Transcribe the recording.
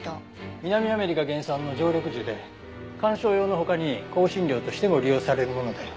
南アメリカ原産の常緑樹で観賞用の他に香辛料としても利用されるものだよ。